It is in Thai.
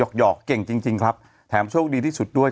หยอกเก่งจริงครับแถมโชคดีที่สุดด้วย